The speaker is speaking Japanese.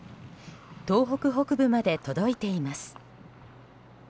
東北北部まで届いています。